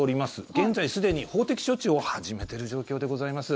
現在、すでに法的処置を始めている状況でございます。